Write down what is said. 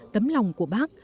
tấm lòng của bác